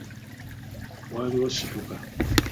Waliwo situka.